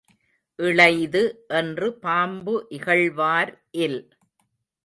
இளைது என்று பாம்பு இகழ்வார் இல்.